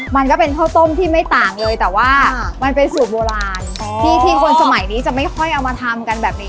มันก็เป็นข้าวต้มที่ไม่ต่างเลยแต่ว่ามันเป็นสูตรโบราณที่คนสมัยนี้จะไม่ค่อยเอามาทำกันแบบนี้